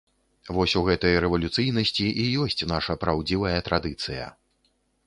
Вось у гэтай рэвалюцыйнасці і ёсць наша праўдзівая традыцыя.